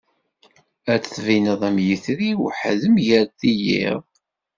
Ad d-tbineḍ am yetri, weḥd-m gar teyyiḍ.